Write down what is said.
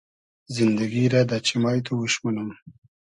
زیندئگی رۂ دۂ چیمای تو اوش مونوم